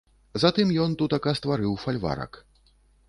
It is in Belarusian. Затым ён тутака стварыў фальварак.